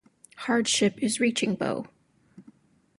Hardship in reaching Bo.